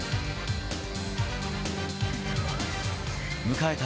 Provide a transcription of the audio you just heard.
迎えた